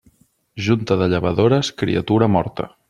Junta de llevadores, criatura morta.